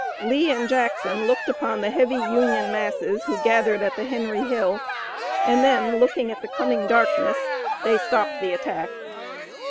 Lee and Jackson looked upon the heavy Union masses gathered at the Henry Hill, and then looking at the coming darkness they stopped the attack.